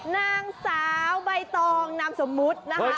นางสาวใบตองน้ำสมมตินะครับ